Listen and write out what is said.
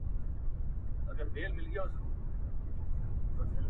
دا دی له دې يې را جلا کړم” دا دی ستا يې کړم”